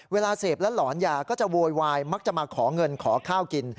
เวลาเสพแล้วหลอนยาก็จะโวยวายมักจะมาขอเงินขอข้าวกิน